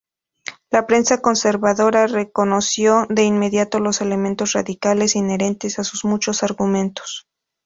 La prensa conservadora reconoció de inmediato los elementos radicales inherentes a sus muchos argumentos.